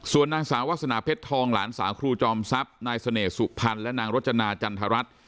ส่วนนางสาววาสนาเพชรทองหลานสาวครูจอมทรัพย์นายเสน่หสุพรรณและนางรจนาจันทรัฐ